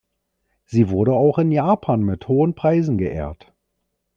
Sie wurde auch in Japan mit hohen Preisen geehrt.